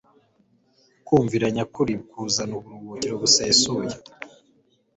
Kumvira nyakuri kuzana uburuhukiro busesuye.